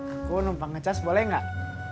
aku numpang nge charge boleh gak